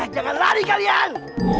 jangan lari kalian